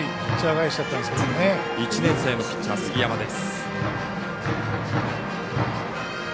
１年生のピッチャー杉山です。